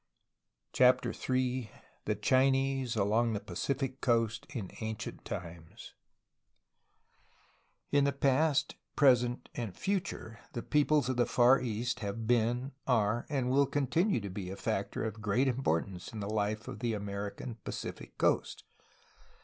3. CHAPTER III THE CHINESE ALONG THE PACIFIC COAST IN ANCIENT TIMES In the past, present, and future the peoples of the Far East have been, are, and will continue to be a factor of great importance in the life of the American Pacific coast.